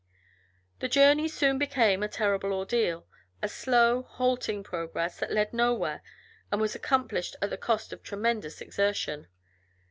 The journey soon became a terrible ordeal, a slow, halting progress that led nowhere and was accomplished at the cost of tremendous exertion.